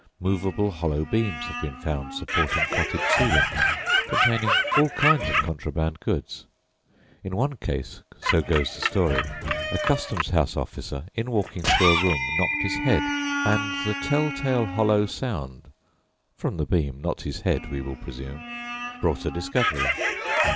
Movable hollow beams have been found supporting cottage ceilings, containing all kinds of contraband goods. In one case, so goes the story, a customs house officer in walking through a room knocked his head, and the tell tale hollow sound (from the beam, not from his head, we will presume) brought a discovery.